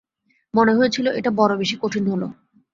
মনে হয়েছিল, এটা বড়ো বেশি কঠিন হল।